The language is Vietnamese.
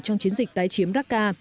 trong chiến dịch tái chiếm raqqa